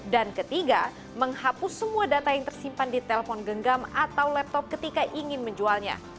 dan ketiga menghapus semua data yang tersimpan di telepon genggam atau laptop ketika ingin menjualnya